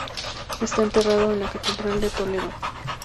Está enterrado en la Catedral de Toledo.